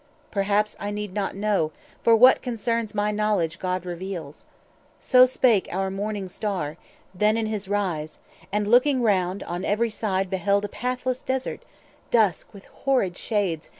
Perhaps I need not know; For what concerns my knowledge God reveals." So spake our Morning Star, then in his rise, And, looking round, on every side beheld A pathless desert, dusk with horrid shades.